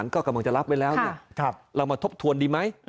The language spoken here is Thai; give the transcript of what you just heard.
ก็กำลังจะรับไว้แล้วเรามาทบทวนดีไหม